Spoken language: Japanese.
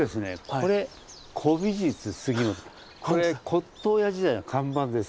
これ骨とう屋時代の看板です。